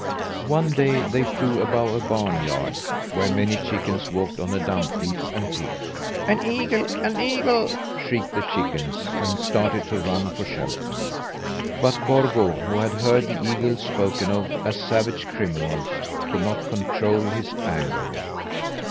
One day they flew above a barn yard where many chickens walked on a dump heap and picked. "An eagle! An eagle!" shrieked the chickens, and started to run for shelter. But Gorgo, who had heard the eagles spoken of as savage criminals, could not control his anger.